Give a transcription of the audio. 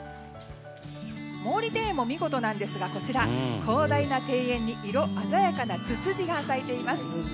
毛利庭園も見事なんですがこちらは広大な庭園に色鮮やかなツツジが咲いています。